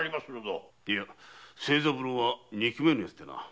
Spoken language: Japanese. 清三郎は憎めぬやつでな。